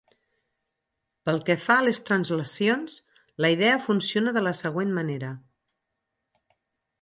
Pel que fa a les translacions, la idea funciona de la següent manera.